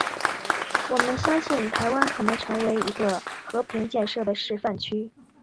我们相信台湾可能成为一个和平建设的示范区。